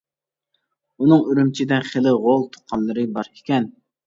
ئۇنىڭ ئۈرۈمچىدە خېلى غول تۇغقانلىرى بار ئىكەن.